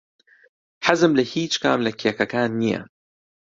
حەزم لە هیچ کام لە کێکەکان نییە.